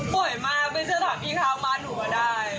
บ่อยมากไปเชื้อถ่ายพี่ข้าวมาหนูมาได้